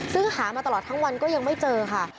ซึ่งหามาตลอดทั้งวันก็ยังไม่เจอค่ะ